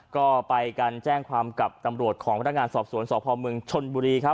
ก็ไปกันแจ้งความกับตำรวจของพระร่างานสอบศวนศพมชลบุรีครับ